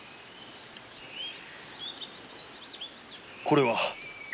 これは？